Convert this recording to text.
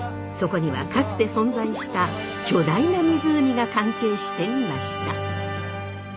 そこにはかつて存在した巨大な湖が関係していました。